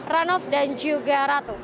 ranoff dan juga ratu